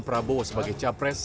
prabowo sebagai cawapres